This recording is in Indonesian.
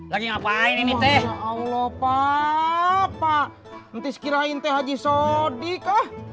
lagi ngapain ini teh allah pak pak nanti sekirain teh haji shodikah